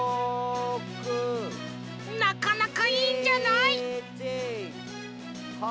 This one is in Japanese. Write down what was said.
なかなかいいんじゃない？